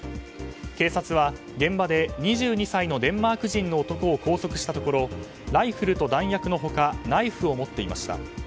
警察は現場で２２歳のデンマーク人の男を拘束したところライフルと弾薬の他ナイフを持っていました。